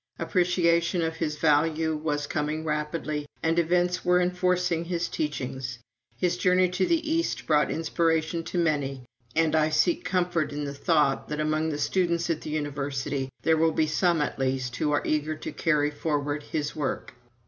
Appreciation of his value was coming rapidly, and events were enforcing his teachings. His journey to the East brought inspiration to many; and I seek comfort in the thought that, among the students at the University, there will be some at least who are eager to carry forward his work."